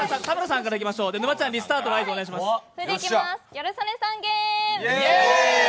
ギャル曽根さんゲーム。